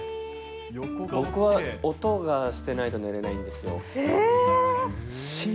僕は音がしてないと寝れないへー。